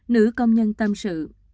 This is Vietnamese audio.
nữ công nhân tâm sự